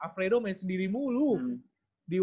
afredo main sendiri mulu di ueu